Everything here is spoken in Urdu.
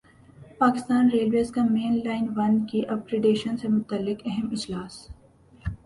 پاکستان ریلویز کا مین لائن ون کی اپ گریڈیشن سے متعلق اہم اجلاس